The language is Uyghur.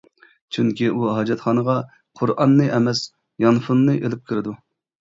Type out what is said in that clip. چۈنكى ئۇ ھاجەتخانىغا قۇرئاننى ئەمەس، يانفوننى ئېلىپ كىرىدۇ.